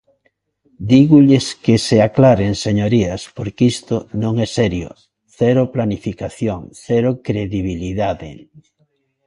Dígolles que se aclaren, señorías, porque isto non é serio; cero planificación, cero credibilidade.